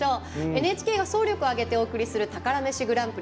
ＮＨＫが総力を挙げてお送りする「宝メシグランプリ」